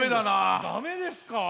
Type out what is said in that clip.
ダメですか？